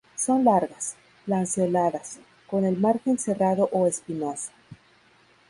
Son largas, lanceoladas, con el margen serrado o espinoso.